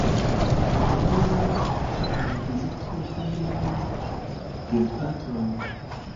Hejmeniru kaj vizitu viajn gepatrojn.